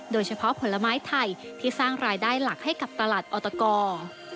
ผลไม้ไทยที่สร้างรายได้หลักให้กับตลาดออตก